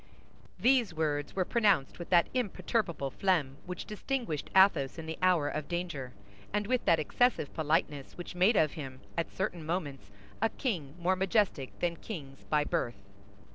These words were pronounced with that imperturbable phlegm which distinguished Athos in the hour of danger, and with that excessive politeness which made of him at certain moments a king more majestic than kings by birth.